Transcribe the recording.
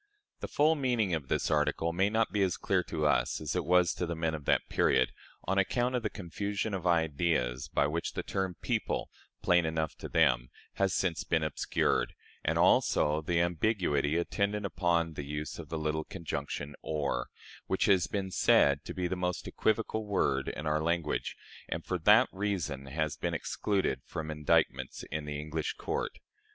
The full meaning of this article may not be as clear to us as it was to the men of that period, on account of the confusion of ideas by which the term "people" plain enough to them has since been obscured, and also the ambiguity attendant upon the use of the little conjunction or, which has been said to be the most equivocal word in our language, and for that reason has been excluded from indictments in the English courts.